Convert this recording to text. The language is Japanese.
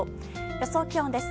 予想気温です。